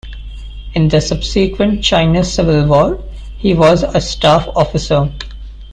In the subsequent Chinese Civil War he was a staff officer.